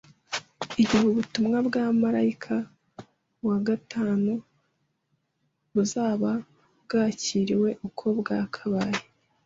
Igihe ubutumwa bwa marayika wa gatatu buzaba bwakiriwe uko bwakabaye